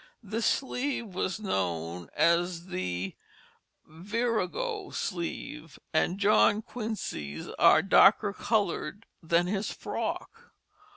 This sleeve was known as the virago sleeve, and John Quincy's are darker colored than his frock.